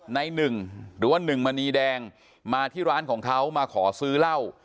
ในหนึ่งหรือว่าหนึ่งมณีแดงมาที่ร้านของเขามาขอซื้อเหล้า